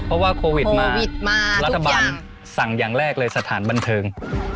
เพราะว่าโควิดมารัฐบาลสั่งอย่างแรกเลยสถานบันเทิงทุกอย่างโควิดมารัฐบาลสั่งอย่างแรกเลยสถานบันเทิง